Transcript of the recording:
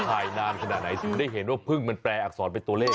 ถ่ายนานขนาดไหนถึงได้เห็นว่าพึ่งมันแปลอักษรเป็นตัวเลข